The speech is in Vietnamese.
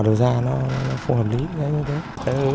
đầu ra nó phù hợp lý